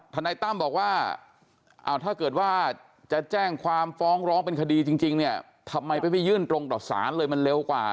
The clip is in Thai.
นายตั้มบอกว่าถ้าเกิดว่าจะแจ้งความฟ้องร้องเป็นคดีจริงเนี่ยทำไมไปไม่ยื่นตรงต่อสารเลยมันเร็วกว่า